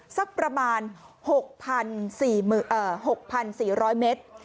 สักประมาณ๖๔๐๐เมตร